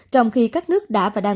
trong khi các nước đã và đang